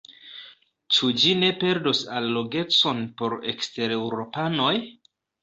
Ĉu ĝi ne perdos allogecon por ekstereŭropanoj?